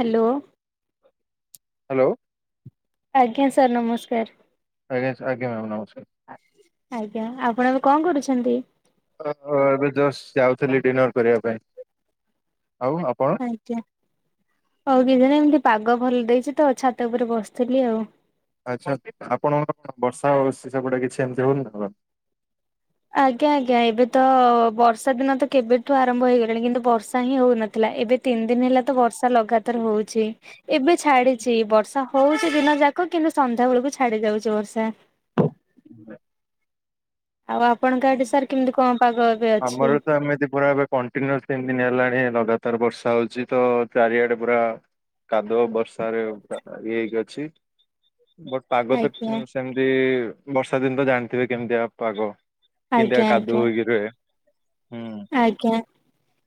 Hello. Hello. ଆଜ୍ଞା sir ନମସ୍କାର। ଆଜ୍ଞା ସା ଆଜ୍ଞା ମାମ ନମସ୍କାର। ଆଜ୍ଞା ଆପଣ ଏବେ କଣ କରୁଛନ୍ତି? ଏବେ ଜଷ୍ଟ ଯାଉଥିଲି ଡିନର କରିବା ପାଇଁ ଆଉ ଆପଣ। ଆଜ୍ଞା ଆଉ କିଛି ନାଇ ଏମିତି ପାଗ ଭଲ ଦେଇଛି ତ ଛାତ ଉପରେ ବସିଥିଲି ଆଉ। ଆଚ୍ଛା ଆପଣଙ୍କ ବର୍ଷା ସେପଟେ କିଛି ଏମିତି ହଉନି ତ। ଆଜ୍ଞା ଆଜ୍ଞା ଏବେ ତ ବର୍ଷା ଦିନ ତ କେବେଠୁ ଆରମ୍ଭ ହେଇଗଲାଣି କିନ୍ତୁ ବର୍ଷା ହିଁ ହଉନଥିଲା ଏବେ। ତିନି ଦିନ ହେଲା ତ ବର୍ଷା ଲଗାତାର ହଉଛି ଏବେ ଛାଡିଛି ବର୍ଷା। ହଉଛି ଦିନ ଯାକ କିନ୍ତୁ ସନ୍ଧ୍ୟା ବେଳକୁ ଛାଡି ଯାଉଛି ବର୍ଷା। [unintelligible] ଆଉ ଆପଣଙ୍କ ଏଠି ସାର୍ କେମିତି କଣ ପାଗ ଏବେ ଅଛି? ତମେ ଯଦି ପଳେଇ ଆଇବ। କଣ୍ଟିନୁଅସ ତିନି ଦିନ ହେଲାଣି ଲଗାତାର ବର୍ଷା ହଉଛି ତ ଚାରିଆଡେ ପୁରା କାଦୁଅ ବର୍ଷାରେ ଇଏ ହେଇକି ଅଛି। ବଟ ପାଗ ତ ଆଜ୍ଞା। ସେମିତି ବର୍ଷା ଦିନ ତ ଜାଣିଥିବେ କେମିତିଆ ପାଗ। କିନ୍ତିଆ ଆଜ୍ଞା କାଦୁଅ ଆଜ୍ଞା ହେଇକି ରୁହେ। ହୁଁ। ଆଜ୍ଞା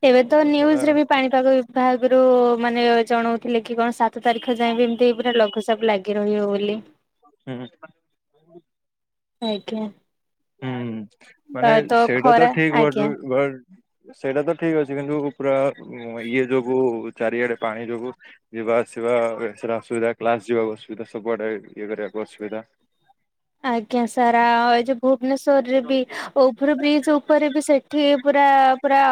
ଏବେ ତ ଅ, ନ୍ୟୁଜରେ ବି ପାଣିପାଗ ବିଭାଗରୁ ମାନେ ଜଣଉଥିଲେ କି କଣ ସା ସାତ ତାରିଖ ଯାଏ ବି ଏମିତି ପୁରା ଲଘୁଚାପ ଲାଗି ରହିବ ବୋଲି। ହୁଁ। ଆଜ୍ଞା। ହୁଁ ଆ ମାନେ ସେଇଟା ତ ଖରା ଠିକ। ଆଜ୍ଞା। ସେଇଟା ତ ଠିକ ଅଛି କିନ୍ତୁ ପୁରା ଇଏ ଯୋଗୁ ଚାରିଆଡେ ପାଣି ଯୋଗୁ ଯିବା ଆସିବାଏଇଠେ ସିନା ଅସୁବିଧା କ୍ଲାସ ଯିବାକୁ ଅସୁବିଧା ସବୁଆଡେ ଇଏ କରିବାକୁ ଅସୁବିଧା। ଆଜ୍ଞା ସାରା ଏ ଯୋ ଭୁବନେଶ୍ଵରରେ ବି ବିଭର ବ୍ରିଜ। ଉପରେ ବି ସେଠି ପୁରା ପୁରା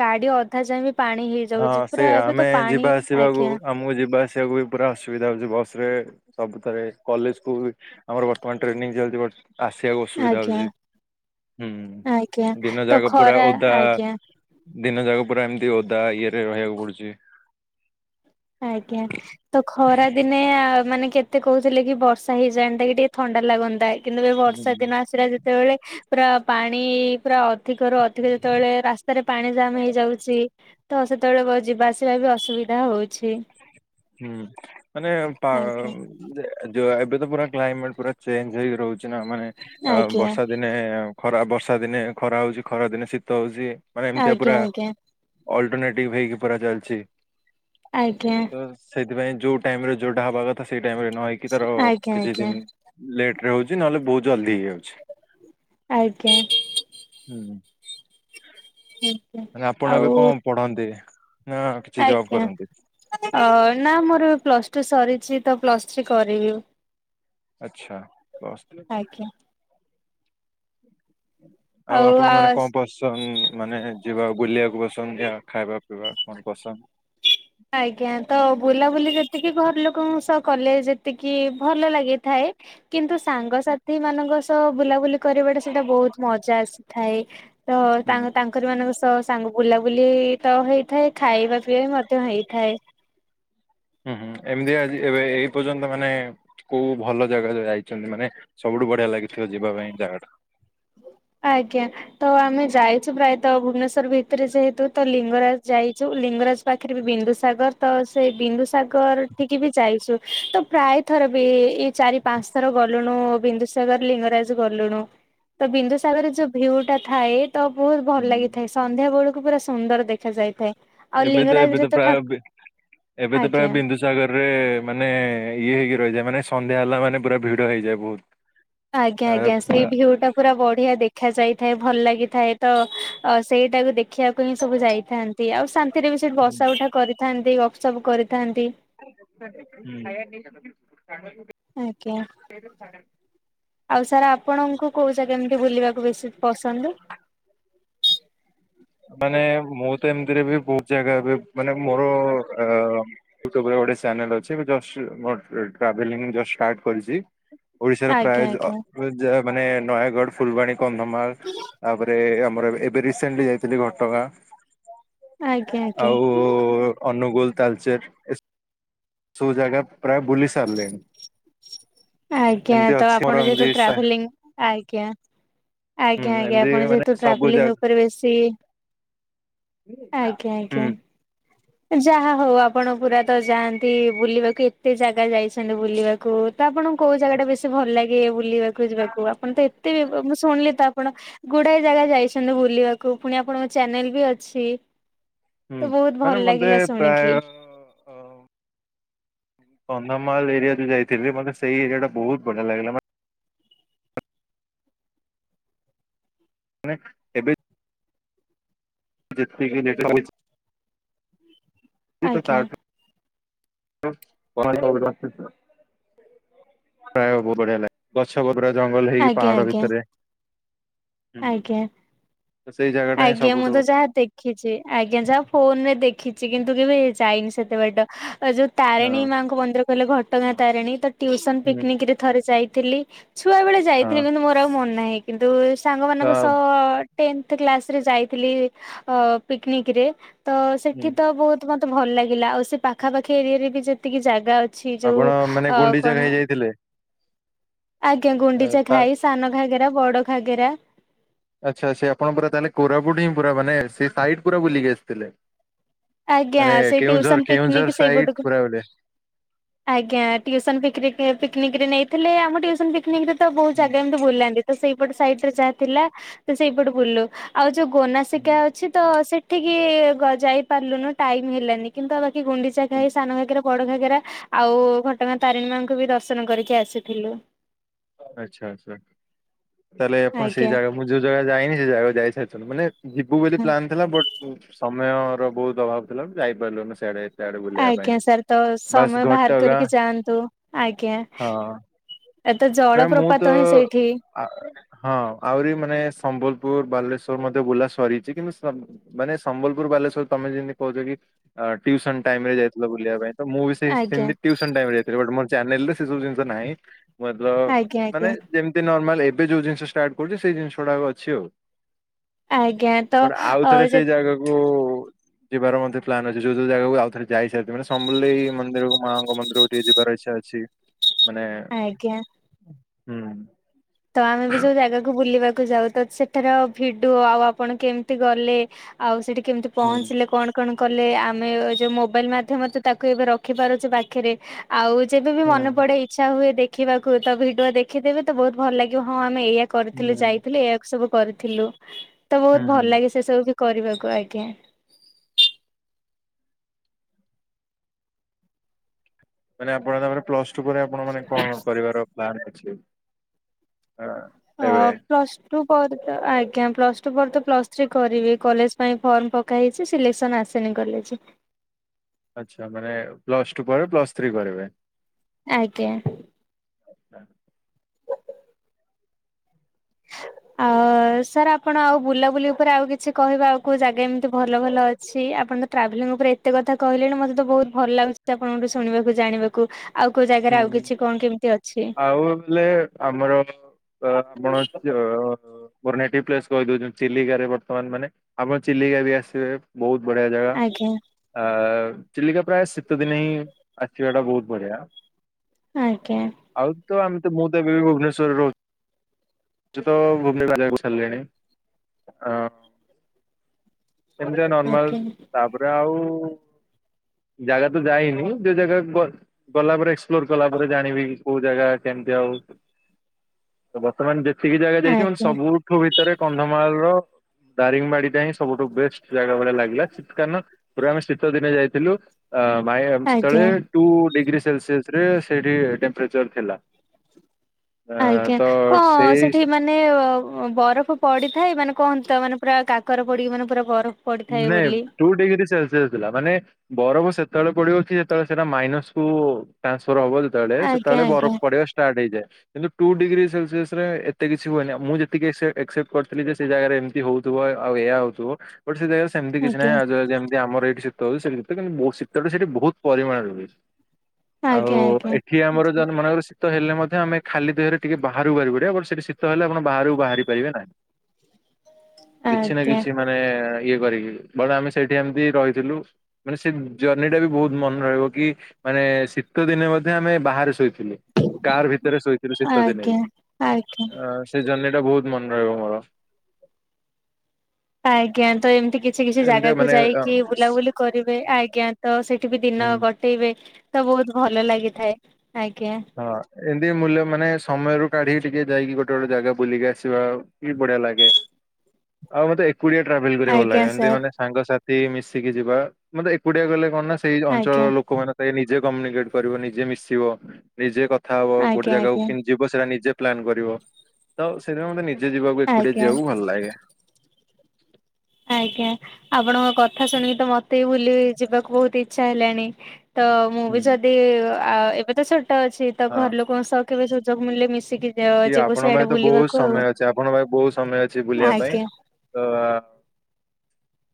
ଗାଡି ଅଧା ଯାଏ ବି ପାଣି ହଁ ହେଇଯାଉଛି ସେ ପୁରା ଏବେ ଆମେ ତ ପାଣି ଯିବା ଆସିବାକୁ ଆଜ୍ଞା ଆମକୁ ଯିବା ଆସିବାକୁ ବି। ପୁରା ଅସୁବିଧା ହଉଛି ବସ ରେ ସବୁଥରେ କଲେଜକୁ ଆମର ବର୍ତ୍ତମାନ ଟ୍ରେନିଂ ଚାଲିଛି। ଆସିବାକୁ ଅସୁବିଧା ଆଜ୍ଞା ହେଉଛି। ହୁଁ ଆଜ୍ଞା ଦିନ ତ ଯାଗ ପୁରା ଖରା ଓଧା। ଆଜ୍ଞା ଦିନ ଯାକ ପୁରା ଏମିତି ଓଦା ଇଏ ରେ ରହିବାକୁ ପଡୁଛି। ଆଜ୍ଞା। ତ ଖରା ଦିନେ ମାନେ କେତେ କହୁଥିଲେ କି ବର୍ଷା ହେଇଯାନ୍ତା କି ଟିକେ ଥଣ୍ଡା ଲାଗନ୍ତା। କିନ୍ତୁ ଏ ବର୍ଷା ହୁଁ। ଦିନ ଆସିଲାଜେ ଯେତେବେଳେ ପୁରା ପାଣି ପୁରା ଅଧିକରୁ ଅଧିକ ଯେତେବେଳେ ରାସ ରାସ୍ତାରେ ପାଣି ଜାମ ହେଇଯାଉଛି ତ ସେତେବେଳେ ଯିବା ଆସିବା ବି ଅସୁବିଧା ହଉଛି। ହୁଁ ମାନେ ପା ଆଜ୍ଞା ଯୋଉ ଏବେ ତ ପୁରା କ୍ଲାଇମେଟ ପୁରା ଚେଞ୍ଜ ହେଇକି ରହୁଛି ନା ମାନେ ଆଜ୍ଞା ବର୍ଷା ଦିନେ। ଖରା ବର୍ଷା ଦିନେ ଖରା ହଉଛି ଖରା ଦିନେ ଶୀତ ହଉଛି ମାନେ ଏମିତିଆ ଆଜ୍ଞା ପୁରା ଆଜ୍ଞା ଅଲ୍ଟରନେଟିଭ ହେଇକି ପୁରା ଚାଲିଛି। ଆଜ୍ଞା। ସେଥିପାଇଁ ଯୋଉ ଟାଇମ ରେ ଯୋଉଟା ହବା କଥା ସେଇ ଟାଇମ ରେ ନ ହେଇକି ତାର ଆଜ୍ଞା କିଛି ଆଜ୍ଞା। ଦିନ ଲେଟ ରେ ହଉଛି ନହେଲେ ବହୁତ ଜଲ୍ଦି ହେଇଯାଉଛି। ଆଜ୍ଞା। ହୁଁ ହୁଁ। ହୁଁ। ମ ଆପଣ ଏବେ କଣ ପଢନ୍ତି ନା କିଛି ଜବ ଆଜ୍ଞା କରନ୍ତି? ଅ ନା ମୋର ପ୍ଲସ ଟୁ ସରିଛି ତ ପ୍ଲସ ଥ୍ରୀ କରିବି। ଆଚ୍ଛା। ଆଜ୍ଞା। ଆଉ ଆପଣ ମାନେ କଣ ପସ ସନ ମାନେ ଯିବା ବୁଲିବାକୁ ବସନ୍ତି ଆଉ ଖାଇବା ପିଇବା ମନ ପସନ୍ଦ। କି। ଆଜ୍ଞା ତ ବୁଲାବୁଲି ଯେତିକି ଘର ଲୋକଙ୍କ ସହ କଲେ ଯେତିକି ଭଲ ଲାଗିଥାଏ କିନ୍ତୁ ସାଙ୍ଗସାଥି ମାନଙ୍କ ସହ ବୁଲାବୁଲି କରିବାଟା ସେଇଟା ବହୁତ ମଜା ଆସିଥାଏ। ତ ହୁଁ ତା ତାଙ୍କରି ମାନଙ୍କ ସହ ସାଙ୍ଗ ବୁଲାବୁଲି ତ ହେଇଥାଏ ଖାଇବା ତ ହେଇଥାଏ। ହୁଁ ହୁଁ ଏମିତି ଆଜି ଏବେ ଏଇ ପର୍ଯ୍ୟନ୍ତ ମାନେ କୋଉ ଭଲ ଜାଗା ଜା- ଯାଇଛନ୍ତି ମାନେ ସବୁଠୁ ବଢିଆ ଲାଗିଥିବ ଯିବା ପାଇଁ ଜାଗା ଟା? ଆଜ୍ଞା। ତ ଆମେ ଯାଇଛୁ ପ୍ରାୟତଃ ଭୁବନେଶ୍ଵର ଭିତରେ ଯେହେତୁ ତ ଲିଙ୍ଗରାଜ ଯାଇଛୁ ଲିଙ୍ଗରାଜ୍ ପାଖରେ ବି ବିନ୍ଦୁସାଗର ତ ସେଇ ବିନ୍ଦୁସାଗର ଠିକି ବି ଯାଇସୁ ତ ପ୍ରାୟ ଥର ବି ଏଇ ଚାରି ପାଞ୍ଚ ଥର ଗଲୁଣୁ ବିନ୍ଦୁସାଗର ଲିଙ୍ଗରାଜ ଗଲୁଣୁ। ତ ବିନ୍ଦୁସାଗରରେ ଯୋଉ ଭ୍ୟୁ ଟା ଥାଏ ତ ବହୁତ୍ ହୁଁ ଭଲ ଲାଗିଥାଏ। ସନ୍ଧ୍ୟା ବେଳକୁ ପୁରା ସୁନ୍ଦର ଦେଖାାଯାଇଥାଏ। ଏବେ ତ ଏବେ ତ ପ୍ରାୟ ଏବେ ତ ପ୍ରାୟ ଆଜ୍ଞା ବିନ୍ଦୁସ ସାଗରରେ ମାନେ ଇଏ ହେଇକି ରହିଯାଏ ମାନେ ସନ୍ଧ୍ୟା ହେଲା ମାନେ ପୁରା ଭିଡ଼ ହେଇଯାଏ ବହୁତ୍। ଆଜ୍ଞା ଆଜ୍ଞା ସେଇ ବି ଯୋଉଟା। ପୁରା ବଢିଆ ଦେଖା ଯାଇଥାଏ ଭଲ ଲାଗିଥାଏ ତ ସେଇଟାକୁ ଦେଖିବାକୁ ହିଁ ସବୁ ଯାଇଥାନ୍ତି। ଆଉ ଶାନ୍ତିରେ ବି ସେଠି ହୁଁ। ବସା ଉଠା କରିଥାନ୍ତି ଗପ୍ ସପ୍ କରିଥାନ୍ତି। [unintelligible] ଆଜ୍ଞା। ଆଉ ସାର୍ ଆପଣଙ୍କୁ କୋଉ ଜାଗା ଅମିତି ବୁଲିବାକୁ ବେଶୀ ପସନ୍ଦ୍ [inaudible] ମାନେ ମୁଁ ତ ଏମିତିରେ ବି ବହୁତ ଜାଗା ବି ମାନେ ମୋର ୟୁଟୁବ୍ ରେ ଗୋଟେ ଚାନେଲ ଅଛି ଜଷ୍ଟ ଟ୍ରାଭେଲିଙ୍ଗ୍ ଜଷ୍ଟ୍ ଷ୍ଟାର୍ଟ। କରିଛି ଓଡିଶାର ପ୍ରାୟ ଆଜ୍ଞା ଆଜ୍ଞା ମାନେ ନୟାଗଡ଼ ଫୁଲବାଣୀ କନ୍ଧମାଳ୍ ତାପରେ ଆମର ଏବେ ରିସେଣ୍ଟଲି ଯାଇଥିଲି ଘଟଗାଁ। ଆଜ୍ଞା ଆଜ୍ଞା ଆଉ ଅନୁଗୁଳ ତାଲଚେର୍ ଏସ ସବୁ ଜାଗା ପ୍ରାୟ ବୁଲି ସାରିଲେଣି। ଆଜ୍ଞା ଏମିତି ତ ଅଛି ମୋର ଆପଣ ଏମିତି ଯେହେତୁ ସା ଟ୍ରାଭେଲିଂ ଆଜ୍ଞା ହୁଁ ଆଜ୍ଞା ଆଜ୍ଞା ଏମିତି ଆପଣ ମାନେ ଯେହେତୁ ସବୁ ଟ୍ରାଭେଲିଂ ଜାଗା ଉପରେ ବେଶୀ। ଆଜ୍ଞା ହୁଁ। ଆଜ୍ଞା। ଯାହା ହଉ ଆପଣ ପୁରା ତ ଯାଆନ୍ତି ବୁଲିବାକୁ ଏତେ ଜାଗା ଯାଇଛନ୍ତି ବୁଲିବାକୁ। ତ ଆପଣଙ୍କୁ କୋଉ ଜାଗା ଟା ବେଶୀ ଭଲ ଲାଗେ ବୁଲିବାକୁ ଯିବାକୁ ଆପଣ ତ ଏତେ ମୁଁ ଶୁଣିଲି ତ ଆପଣ। ଗୁଡ଼ାଏ ଜାଗା ଯାଇଛନ୍ତି ବୁଲିବାକୁ ପୁଣି ଆପଣଙ୍କ ଚ୍ୟାନେଲ ବି ଅଛି। ତ ବହୁତ୍ ଭଲ୍ ଲାଗେ ସେ ପ୍ରାୟ। ଅ, କନ୍ଧମାଳ ଏରିଆ ଯୋଉ ଯାଇଥିଲ ମତେ ସେଇ ଏରିଆ ଟା ବହୁତଢଲଆ ଲାଗିଲା ମାନେ। ଏବେ ଯେତିକି ଆଜ୍ଞା [unintelligible] ପ୍ରାୟବହୁ ବଢିଆ ଲାଗେ ଗଛ ଗୋବରା ଜଙ୍ଗଲ ହେଇକି ଆଜ୍ଞା ପାହାଡ ଆଜ୍ଞା ଭିତରେ। ହୁଁ। ଆଜ୍ଞା। ତ ସେଇ ଜାଗା ଟା ହିଁ ଆଜ୍ଞା ମୁଁ ସବୁଠୁ ତ ଯହା ଦେଖି ଦେଖିଛି ଆଜ୍ଞା ଯାହା ଫୋନ୍ ରେ ଦେଖିଛି କିନ୍ତୁ କେବେ ଯାଇନି ସେତେ ବାଟ ଯୋଉ ତାରିଣୀ ହଁ ମାଙ୍କ ମନ୍ଦିର କହିଲେ ଘଟଗାଁ ତାରିଣୀ ତ ଟ୍ୟୁସନ ହୁଁ ପିକନିକ ରେ ଥରେ ଯାଇଥିଲି। ଛୁଆବେେଳେ ହଁ ଯାଇଥିଲି କିନ୍ତୁ ମୋର ଆଉ ମନ ନାହିଁ କିନ୍ତୁ ତ ସାଙ୍ଗମାନଙ୍କ ସହ ଟେ କ୍ସରେ ଯାଇଥିଲି ପିକନିକରେ ତ ହୁଁ ସେଠି ତ ବହୁତ ମତେ ଭଲ ଲାଗିଲା ଆଉ ସେ ପାଖା ପାଖି ଏରିଆରେ ବି ଯେତିକି ଜାଗା ଅଛି। ଯୋଉ ଆପଣ ମାନେ ଗୁଣ୍ଡିଚା କଣ ଘାଇ ଯାଇଥିଲେ? ଆଜ୍ଞା ଏ, ଗୁଣ୍ଡିଚା ତା ଖାଇ। ସାନ ଘାଗେରା ବଡ଼ ଘାଗେରା। ଆଚ୍ଛା ଆଚ୍ଛା ଆପଣଙ୍କର ତାହେଲେ କୋରାପୁଟ ହିଁ ପୁରା ମାନ ସେ ସାଇଡ୍ ପୁରା ବୁଲିକି ଆସିଥିଲେ। ଆଜ୍ଞା ମାନେ ସେ Keonjhar tuition Keonjhar picnic side ସେଇପଟକୁ ପୁରା ବୋଲେ ଆଜ୍ଞା ଟିଉସନ୍ ପିକରିକିରେ ପିକନିକରେ ନେଇଥିଲେ ଆମ ଟିଉସନ୍ ପିକନିକରେ ତ ବୋହୁତ ଜାଗା ଏମିତି ବୁଲାନ୍ତି। ତ ସେଇପଟ ସାଇଡରେ ଯାହା ଥିଲା ତ ସେଇପଟ ବୁଲୁ ଆଉ ଯୋଉ ଗୋନାସିକା ଅଛି। ତ ସେଠିକି ଯାଇ ଗ ଯାଇ ପାରିଲୁନୁ ଟାଇମର ହେଲାନି କିନ୍ତୁ ଆଉ ବାକି ଗୁଣ୍ଡିଚା ଘାଇ ସାନ ଘାଗାରା ବଡ ଘାଗେରା ଆଉ ଘଟଗାଁ ତାରିଣୀ ମାଙ୍କୁ ବି ଦର୍ଶନ କରିକି ଆସିଥିଲୁ। ଆଚ୍ଛା ଆଚ୍ଛା ତାହେଲେ ଆପଣ ସେଇ ଆଜ୍ଞା ଜାଗା ମୁଁ ଯୋଉ ଜାଗା ଯାଇନି ସେ ଜାଗା ଯାଇସାରିଚନ୍ତି ମାନେ ଯିବୁ ବୋଲି ପ୍ଲାନ୍ ଥିଲା ବଟ୍ ସମୟର ବୋହୁତ ଅଭାବ ଥିଲା ଯାଇପାରିଲୁନି ସିଆଡେ। ଆଡେ ବୁଲିବା ପାଇଁ। ଆଜ୍ଞା ସାର୍ ତ ବାସ୍ ସମୟ ବାହାର ଘଟଗାଁ କରିକି ଯାଆନ୍ତୁ ଆଜ୍ଞା। ହଁ ଏତେ ପ୍ରାୟ ମୁଁ ତ ଜଳପ୍ରପାତ ହିଁ ସେଇଠି। ଆ ହଁ ଆହୁରି ମାନେ ସମ୍ବଲପୁର, ବାଲେଶ୍ଵର ମଧ୍ୟ ବୁଲା ସରିଚି କିନ୍ତୁ ସ ମାନେ ସମ୍ବଲପୁର, ବାଲେଶ୍ୱର ତମେ ଯେମିତି କୋହୁଚ କି ଆ ଟିଉସନ୍ ଟାଇମରେ ଯାଇଥିଲ ବୁଲିବା ପାଇଁ। ତ ମୁଁ ବି ଆଜ୍ଞା ସେମିତି ଟିଉସନ୍ ଟାଇମରେ ଯାଇଥିଲେ ବଟ୍ ମୋର ଚ୍ୟାନେଲରେ ସେ ସବୁ ଜିନିଷ ନାଇଁ। ମତଲବ୍ ଆଜ୍ଞା [unintelligible] ମାନେ ଆଜ୍ଞା ଯେମିତି ନର୍ମାଲ ଏବେ ଯୋଉ ଜିନିଷ ଷ୍ଟାର୍ଟ କରୁଚି ସେଇ ଜିନିଷ ଗୁଡାକ ଅଛି ଆଉ। ଆଜ୍ଞା ତ ମୋର ଆଉ ଅ ଥରେ ସେଇ ଜାଗାକୁ ଯିବାର ମଧ୍ୟ ପ୍ଲାନ୍ ଅଛି ଯୋଉ ଯୋଉ ଜାଗାକୁ ଆଉ ଥରେ ଯାଇାସାରିଚି ମାନେ ସମଲେଇ ମନ୍ଦିରକୁ ମାଙ୍କ ମନ୍ଦିରକୁ ଟିକେ ଯିବାର ଇଚ୍ଛା ଅ ଛି ମାନେ ଆଜ୍ଞା। ହୁଁ। ତ ଆମେ ବି ଯୋଉ ଜାଗାକୁ ବୁଲିବାକୁ ଯାଉ, ତ ସେଠାର ଭିଡିଓ ଆଉ ଆପଣ କେମିତି ଗଲେ। ଆଉ ସେଠି କେମିତି ହୁଁ ପହଞ୍ଚିଲେ କଣ କଣ କଲେ। ଆମେ ଯୋଉ ମୋବାଇଲ୍ ମାଧ୍ୟମରେ ତାକୁ ଏବେ ରଖିପାରୁଚୁ ପାଖରେ। ଆଉ ଯେବେ ବି ହୁଁ ମନେ ପଡେ ଇଚ୍ଛା ହୁଏ ଦେଖିବାକୁ ତ ଭିଡିଓ ଦେଖିଦେବ ତ ବୋହୁତ ଭଲ ଲାଗିବ ହଁ ଆମେ ଏଇୟା କରିଥିଲୁ ହୁଁ ଯାଇଥିଲୁ। ଏଇଆ ସବୁ କରିଥିଲୁ ତ ହୁଁ ବୋହୁତ ହୁଁ ଭଲ ଲାଗେ। ସେ ସବୁ ବି କରିବାକୁ ଆଜ୍ଞା। ମାନେ ଆପଣ ତାପରେ ପ୍ଲସଟୁ ପରେ ଆପଣମାନେ କଣ କରିବାର ପ୍ଲାନ ଅଛି। ଆଁ, ଅ ଏବେ ପ୍ଲସ୍ ଟୁ ପରେ ତ ଆଜ୍ଞା ପ୍ଲସ୍ ଟୁ ପରେ ତ ପ୍ଲସ୍ ଥ୍ରୀ କରିବି। କଲେଜ ପାଇଁ ଫର୍ମ ପକା ହେଇଚି ସିଲେକ୍ସନ ଆସି ନି କଲେଜ। ଆଚ୍ଛା ମାନେ ପ୍ଲସ୍ ଟୁ ପରେ ପ୍ଲସ୍ ଥ୍ରୀ କରିବେ। ଆଜ୍ଞ। [inaudible] ଆଉ ସାର୍ ଆପଣ ଆଉ ବୁଲାବୁଲି ଉପରେ ଆଉ କିଛି କହିବା ଆଉ କୋଉ ଜାଗା ଏମିତି ଭଲ ଭଲ ଅ ଛି। ‌ ଆପଣ ତ ଟ୍ରାଭେଲିଂ ଉପରେ ଏତେ କଥା କହିଲେଣି ମତେ ତ ବୋହୁତ ଭଲ ଲାଗୁଚି ତ ଆପଣଙ୍କଠୁ ଶୁଣିବାକୁ ଜାଣିବାକୁ ଆଉ କୋଉ ହୁଁ। ଜାଗାରେ ଆଉ ହୁଁ କିଛି କଣ କେମିତି ଅଛି। ଆଉ ବୋଲେ ଆମର କଣ ଆପଣ ଯ ମୋରେନେଟିଭ ପ୍ଲେସ୍ କହିଦୋଉଚ ଚିଲିକ ବର୍ତମାନ ମାନେ ଆପଣ ଚିଲିକା ବି ଆସିବେ। ବୋହୁତ ବଢିଆ ଜାଗା। ଆଜ୍ଞା ଆ ଚିଲିକା ପ୍ରାୟ ଶୀତ ଦିନ ହିଁ ଆସିବା ଟା ବୋହୁତ ବଢିଆ। ଆଜ୍ଞା। ଆଉ ତ ଆମେ ତ ମୁଁ ତ ଏବେ ବି ଭୁବନେଶ୍ୱରରେ ରହୁ ଚି ତ [unintelligible] ଛାଡିଲିଣି ଆ ସେମିତିଆ ନର୍ମାଲ ଆଜ୍ଞା। ତାପରେ ଆଉ ଜାଗା ତ ଯାଇନି। ଯୋଉ ଜାଗାକୁ ଗଲା ପରେ ଏକ୍ସପ୍ଲୋର କଲା ପରେ ଜାଣିବି କୋଉ ଜାଗା କେମିତି ଆଉ। [inaudible] ବର୍ତ୍ତମାନ ଯେତିକି ଜାଗା ଯାଇଛି ମ ଆଜ୍ଞା ସବୁଠୁ ଭିତରେ କନ୍ଧମାଳ ର ଦାରିଙ୍ଗବାଡିଟା ହିଁ ସବୁଠୁ ବେଷ୍ଟ ଜାଗା ଭଳିଆ ଲାଗିଲା ଶୀତ ଦିନ ପୁରା ଆମେ ଶୀତ ଦିନେ ଯାଇଥିଲୁ ମ ତଳେ ଆଜ୍ଞା ଟୁ ଡିଗ୍ରୀ ସେଲସିସ ରେ ସେଇଠି ଟେମ୍ପରେଚର ଥିଲା ଅ ଆଜ୍ଞା ତ କଣ ସେଇ ସେଠି ମାନେ ମାନେ ବରଫ ପଡିଥାଏ ମାନେ କୁହନ୍ତୁ ତ ମାନେ ପୁରା କାକର ପଡିକି ମାନେ ପୁରା ବରଫ ପଡିଥାଏ ନାଇଁ ବୋଲି ଟୁ ଡିଗ୍ରୀ ସେଲସିୟସ ଥିଲା ମାନେ ବରଫ ସେତେବେଳେ ପଡିବ ସେତେବେଳେ ସେଟା ମାଇନସକୁୁ ଟ୍ରାନ୍ସଫର ହବ ସେତେବେଳେ ଆଜ୍ଞା ସେତେବେଳେ ଆଜ୍ଞା ବରଫ ପଡିବା ଷ୍ଟାର୍ଟ ହେଇଯାଏ କିନ୍ତୁ ଟୁ ଡିଗ୍ରୀ ସେଲସିସରେ ଏତେ କିଛି ହୁଏନି। ମୁଁଯେ ତିକି ଏ ସେଟଏ କ୍ସେପ୍ଟ କରିଥିଲ ଯେ ସେ ଜାଗାରେ ହଉଥିବ ଆଉ ଏଇଆ ହଉଥିବ ବଟ ସେ ଜାଗାରେ ସେମିତି କିଛି ଆଜ୍ଞା ନାହିଁ ଆଉ ଯେମିତି ଆମର ଏଇଠି ତ ସେମିତି ମୋ ଶୀତଟା ବହୁତ ପରିମାଣରେ ହୁଏ ଆଉ ଆଜ୍ଞା ଆଜ୍ଞା। ଏଠି ଆମର ଯ ମନ [unintelligible] ଶୀତ ହେଲେ ମଧ୍ୟ ଆମେ ଖାଲି ଦେହରେ ଟିକେ ବାହାରକୁ ପାରିବେ ପଡିବ ବ ଶୀତ ହେଲେ ଆପଣ ବାହାରକୁ ବାହାରି ପାରିବେ ନାହିଁ। [inaudible] କିଛି ନା ଆଜ୍ଞା କିଛି ମାନେ ଇଏ କରିକି କଣ ଆମେ ସେଇଠି ଏମତି ରହିଥିଲୁ। ମାନେ ସେ ଜର୍ଣ୍ଣିି ଟା ବି ବହୁତ ମନେ ରହିବ କି। ମାନେ ଶୀତ ଦିନେ ମଧ୍ୟ ଆମେ ବାହାରେ ଶୋଇଥିଲୁ। କାର ଭିତରେ ଶୋଇଥିଲୁ ଶୀତ ଦିନେ, ଆଜ୍ଞା ଆଜ୍ଞା। ସେ ଜର୍ଣି ଟା ବହୁତ ମନେ ରହିବ ମୋର। ଆଜ୍ଞା ତ ଏମିତି କି ସେ କିଛି ଏମିତିଆ ଜାଗାକୁ ମାନେ ଅ ଯାଇକି ବୁଲାବୁଲି କରିବେ ଆଜ୍ଞା ତ ସେଠି ବି ଦିନ ହୁଁ କଟେଇବେ ତ ବହୁତ ଭଲ ଲାଗିଥାଏ ଆଜ୍ଞା। ହଁ ଏମିତି ମୂଲ୍ୟ ମାନେ ସମୟରୁ କାଢିକି ଟିକେ ଯାଇକି ଗୋଟେ ଗୋଟେ ଜାଗା ବୁଲିକି ଆସିବା ବି ବଢିଆ ଲାଗେ [inaudible] ଆଉ ମତେ ଏକୁଟି ଆ ଟ୍ରାଭେଲ କରିବା ଭଲ ଆଜ୍ଞା ଲାଗେ। ଏମିତି ସାର୍ ମାନେ ସାଙ୍ଗସାଥି ମିଶିକି ଯିବା ମତେ ଏକୁଟି ଆ ଗଲେ କଣ ନା ସେଇ ଆଜ୍ଞା ଅଞ୍ଚଳର ଲୋକମାନେ ସାଙ୍ଗେ ନିଜେ କମ୍ୟୁନିକେଟ କରିବ। ନିଜେ ମିଶିବ ନିଜେ କ କଥା ହବ ଗୋଟେ ଆଜ୍ଞା ଜାଗାକୁ ଆଜ୍ଞା କେମିତି ଯିବ। ସେଇଟା ନିଜେ ପ୍ଲାନ କରିବ ତ ସେଦିନ ମ ନିଜେ ଯିବାକୁ ଏକୁଡିଆ ଆଜ୍ଞା ଯିବାକୁ ଭଲ ଲାଗେ। ଆଜ୍ଞା ଆପଣଙ୍କ କଥା ଶୁଣିକି ତ ମତେ ବି ବୁଲି ଯିବାକୁ ବହୁତ ଇଚ୍ଛା ହେଲାଣି ତ ମୁ ହୁଁ ବି ଜଦି ଏବେ ତ ଛୋ ଟ ଅଛି ତ ହଁ ଘର ଲୋକଙ୍କ ସହ କେବେ ସୁଯୋଗ ମିଳିଲେ ମିଶିକି ସିଏ ଯିବୁ ଆପଣଙ୍କ ପାଇଁ ସେଆଡେ ତ ବହୁତ ବୁଲିବାକୁ ଆଉ। ସମୟ ଆପଣଙ୍କ ପାଖ ବହୁତ ସମୟ ଅଛି ବୁଲିବା ପାଇଁ ଆଜ୍ଞା ତ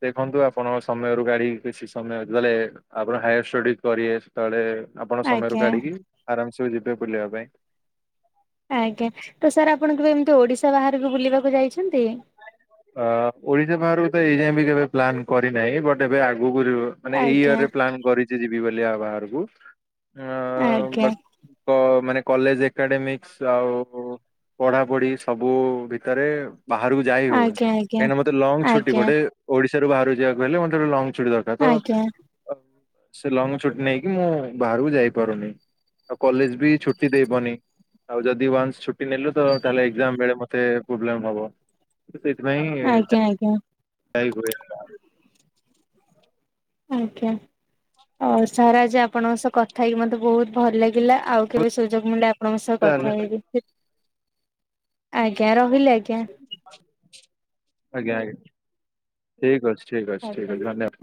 ଦେଖନ୍ତୁ ଆପଣଙ୍କ ସମୟରୁ ଗାଡି କିଛି ସମୟ ଯେତହେଲେ ଆପଣ ହାୟାର ଷ୍ଟଡି କରିବେ ତଳେ ଆପଣ ସମୟରୁ ଆଜ୍ଞା କାଢିକି ଆରାମସ ଯିବେ ବୁଲିବା ପାଇଁ। ଆଜ୍ଞା ତ ସାର୍ ଆପଣ କେବେ ଏମିତି ଓଡ଼ିଶା ବାହହାରକୁ ବୁଲିବାକୁ ଯାଇଛନ୍ତି? ଅ ଓଡିଶା ବାହାରକୁ ତ ଏଇଯାଏଁ ବି କେବେ ପ୍ଲାନ୍ କରିନାହିଁ ବଟ ଏବେ ଆଗକୁ ଯ ମାନେ ଏଇ ଆଜ୍ଞା ଇୟରରେ ପ୍ଲାନ୍ କରିଛି ଯିବି ବୋଲିଆ ବାହାରକୁ। ଆଜ୍ଞା। ପ କଲେଜ ଏକାଡେମିକ୍ସ ଆଉ ପଢା ପଢି ସବୁ ଭିତରେ ବାହାରକୁ ଯାଇ ହଉନି ଆଜ୍ଞା ଆଜ୍ଞା କାହିଁକି ମତେ ଲଙ୍ଗ ଛୁଟି ଆଜ୍ଞା ଗୋଟେ ଓଡିଶାରୁ ବାହାରକୁିବାକୁ ହେଲେ ମତେ ଗୋଟେ ଲଙ୍ଗ ଛୁଟି ଦରକାର ଆଜ୍ଞା ନା ତ ଲଙ୍ଗ ଛୁଟି ନେଇକି ମୁଁ ବାହାରକୁ ଯାଇପାରୁନି ଆଉ କଲେଜ ବି ଛୁଟି ଦେଇବନି। ଆଉ ଯଦି ୱାନ୍ସ ଛୁଟି ନେଲୁ ତ ତାହଲେ ଏକଜାମ ବେଳେ ମତେ ପ୍ରୋବ୍ଲେମ ହବ ସେଥିପାଇଁ ଆଜ୍ଞା ଆଜ୍ଞା। ଏଇ ଗୁରେ ଷ୍ଟାଲେ। ଆଜ୍ଞା। ଓ ସାର ଆଜି ଆପଣଙ୍କ ସହ କଥା ହେଇକି ମତେ ବହୁତ ଭଲ ଲାଗିଲା। ଆଉ କେବେ ସୁଯୋଗ ମିଳେ ଆପ ଆପଣଙ୍କ ସହ ତାହେଲେ କଥା ହେଇକି। ଆଜ୍ଞା ରହିଲି ଆଜ୍ଞା। ଆଜ୍ଞା ଆଜ୍ଞା। ଠିକି ଅଛି ଠିକି ଅଛି ଠିକ ଆଜ୍ଞା। ଅଛି ଧନ୍ୟବାଦ।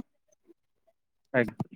ଆଜ୍ଞା।